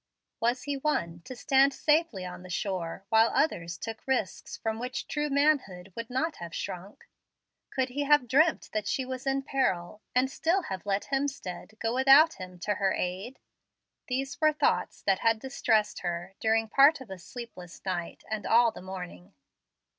Was he one to stand safely on the shore while others took risks from which true manhood would not have shrunk? Could he have dreamt that she was in peril, and still have let Hemstead go without him to her aid? These were thoughts that had distressed her during part of a sleepless night and all the morning.